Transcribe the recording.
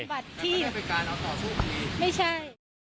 มาตั้งบทที่ไม่ใช่